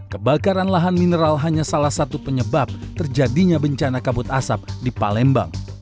kebakaran lahan mineral hanya salah satu penyebab terjadinya bencana kabut asap di palembang